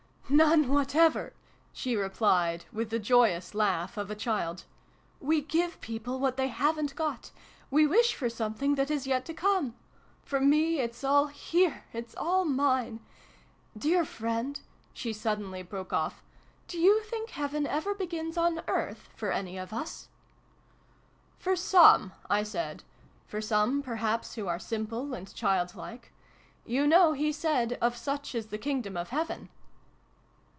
"None whatever!" she replied, with the joyous laugh of a child. " We give people what they haven't got : we wish for something that is yet to come. For me, it's all here! It's all mine I Dear friend," she suddenly broke off, "do you think Heaven ever begins on Earth, for any of us ?" vii] MEIN HERR. 97 " For some ," I said. " For some, perhaps, who are simple and childlike. You know He said ' of such is the Kingdom of Heaven.'